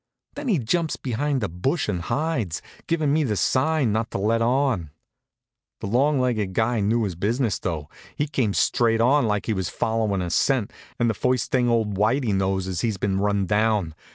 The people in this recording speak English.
Then he jumps behind a bush and hides, givin' me the sign not to let on. The long legged guy knew his business, though. He came straight on, like he was followin' a scent, and the first thing old Whitey knows he's been run down.